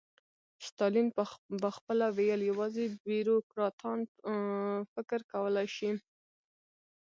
ستالین به خپله ویل یوازې بیروکراټان فکر کولای شي.